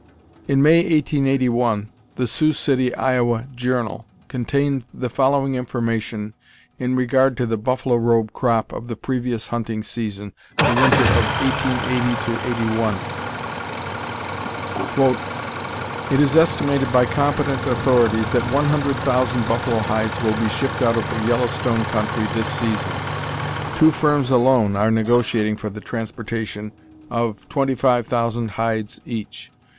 In May, 1881, the Sioux City (Iowa) Journal contained the following information in regard to the buffalo robe "crop" of the previous hunting season the winter of 1880 '81: "It is estimated by competent authorities that one hundred thousand buffalo hides will be shipped out of the Yellowstone country this season. Two firms alone are negotiating for the transportation of twenty five thousand hides each.